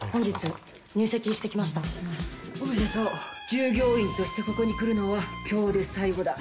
従業員としてここに来るのは今日で最後だ。